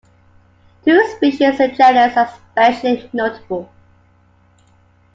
Two species in the genus are especially notable.